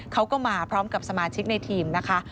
เขาก็มาพร้อมกับสมาชิกในทีมนะคะ